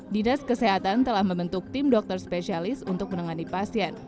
dinas kesehatan telah membentuk tim dokter spesialis untuk menangani pasien